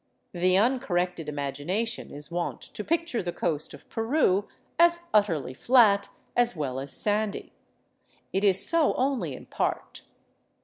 The uncorrected imagination is wont to picture the coast of Pern as utterly flat, as well as sandy. It is so only in part.